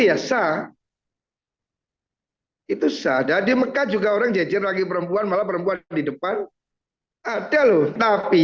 biasa itu sadar di mekah juga orang jajar lagi perempuan malah perempuan di depan ada loh tapi